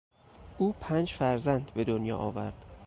او پنج فرزند به دنیا آورد.